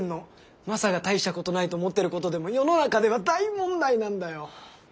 マサが大したことないと思ってることでも世の中では大問題なんだよ。